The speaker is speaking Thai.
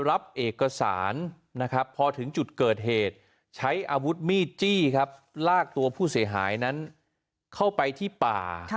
รับเอกสารนะครับพอถึงจุดเกิดเหตุใช้อาวุธมีดจี้ครับลากตัวผู้เสียหายนั้นเข้าไปที่ป่า